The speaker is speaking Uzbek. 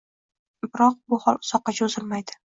Biroq bu hol uzoqqa cho‘zilmaydi.